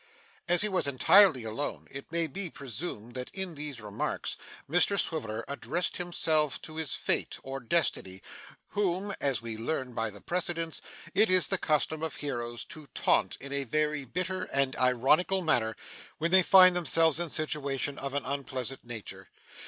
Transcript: As he was entirely alone, it may be presumed that, in these remarks, Mr Swiveller addressed himself to his fate or destiny, whom, as we learn by the precedents, it is the custom of heroes to taunt in a very bitter and ironical manner when they find themselves in situations of an unpleasant nature.